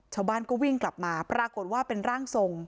ชาวบ้านก็วิ่งกลับมาปรากฏว่าเป็นร่างทรง